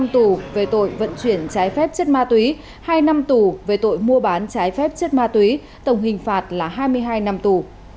một mươi năm tù về tội vận chuyển trái phép chất ma túy hai năm tù về tội mua bán trái phép chất ma túy tổng hình phạt là hai mươi hai năm tù